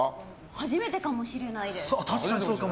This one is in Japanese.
初めてかもしれないです。